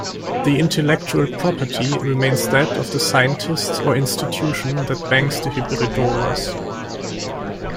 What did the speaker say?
The intellectual property remains that of the scientist or institution that banks the hybridomas.